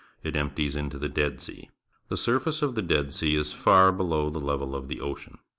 It empties into the Dead Sea. The surface of the Dead Sea is far below the level of the ocean.